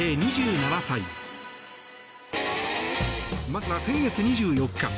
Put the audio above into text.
まずは先月２４日